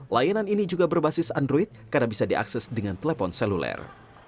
layanan ini juga berbasis android karena bisa diakses dengan telepon seluler